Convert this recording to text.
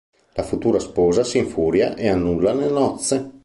La futura sposa si infuria e annulla le nozze.